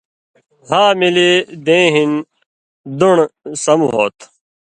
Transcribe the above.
ہاملی دیں ہِن دُن٘ڑہۡ/دُݨہۡ سم ہوتھو۔